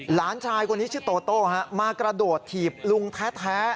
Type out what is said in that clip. หลานชายคนนี้ชื่อโตโต้มากระโดดถีบลุงแท้